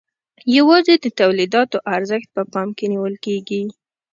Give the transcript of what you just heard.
یوازې د تولیداتو ارزښت په پام کې نیول کیږي.